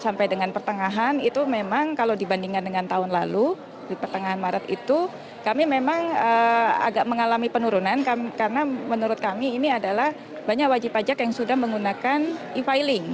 sampai dengan pertengahan itu memang kalau dibandingkan dengan tahun lalu di pertengahan maret itu kami memang agak mengalami penurunan karena menurut kami ini adalah banyak wajib pajak yang sudah menggunakan e filing